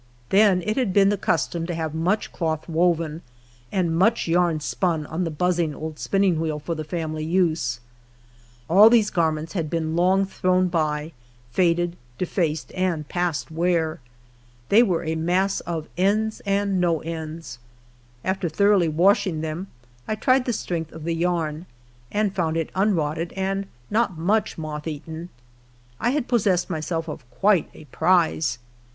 Then it had been the custom to have much cloth woven, and much yarn spun on the buzzing old spinning wheel, for the family use. All chcse garments had been long thrown by, faded, defaced, and past wear. They were a mass of ends and no ends. After thoroughly washing them, I tried the strength of the yarn, and found it unrotted and not much moth eaten. I had possessed myself of quite a prize.